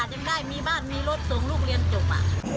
ยังได้มีบ้านมีรถส่งลูกเรียนจบ